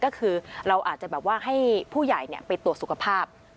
ก็คือเราอาจจะแบบว่าให้ผู้ใหญ่ไปตรวจสุขภาพ